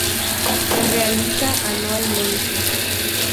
Se realiza anualmente.